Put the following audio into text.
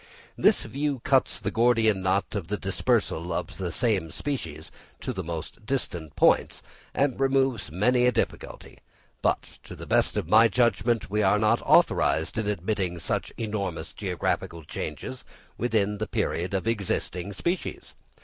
This view cuts the Gordian knot of the dispersal of the same species to the most distant points, and removes many a difficulty; but to the best of my judgment we are not authorized in admitting such enormous geographical changes within the period of existing species.